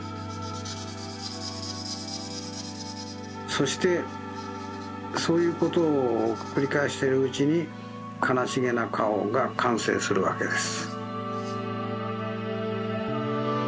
そしてそういうことをくりかえしているうちにかなしげなかおがかんせいするわけです。